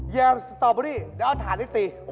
ยาวสตอล์โบรี่มาเอาถาดนี้ตี